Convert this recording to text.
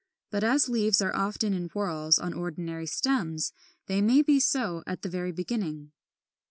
But as leaves are often in whorls on ordinary stems, they may be so at the very beginning.